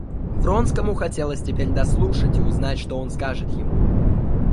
Вронскому хотелось теперь дослушать и узнать, что он скажет ему.